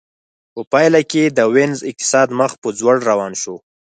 په پایله کې د وینز اقتصاد مخ په ځوړ روان شو